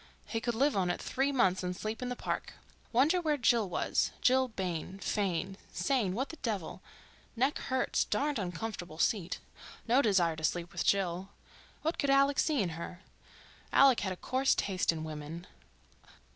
He could live on it three months and sleep in the park. Wonder where Jill was—Jill Bayne, Fayne, Sayne—what the devil—neck hurts, darned uncomfortable seat. No desire to sleep with Jill, what could Alec see in her? Alec had a coarse taste in women.